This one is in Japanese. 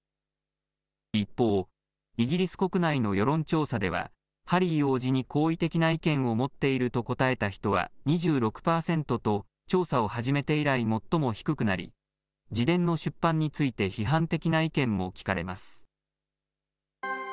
一方、イギリス国内の世論調査では、ハリー王子に好意的な意見を持っていると答えた人は２６％と、調査を始めて以来最も低くなり、自伝の出版について批判的な意見も聞かれます。